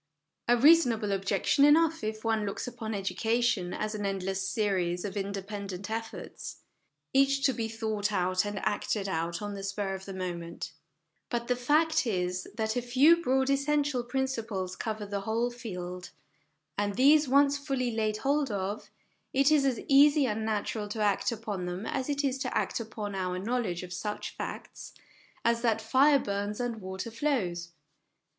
A reasonable objection enough, if one looks upon edu cation as an endless series of independent efforts, each to be thought out and acted out on the spur of the moment ; but the fact is, that a few broad essential principles cover the whole field, and these once fully laid hold of, it is as easy. and natural to act upon them as it is to act upon our knowledge of such facts as that fire burns and water flows.